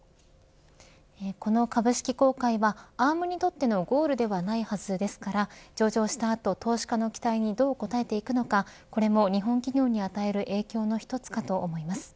この株式公開はアームにとってのゴールではないはずですから上場した後、投資家の期待にどう応えていくのかこれも日本企業に与える影響の一つかと思います。